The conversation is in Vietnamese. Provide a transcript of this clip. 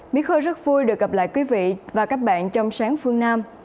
mỹ khởi rất vui được gặp lại quý vị và các bạn trong sáng phương nam